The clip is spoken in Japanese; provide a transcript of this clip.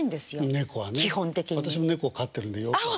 私も猫を飼ってるんでよく分かる。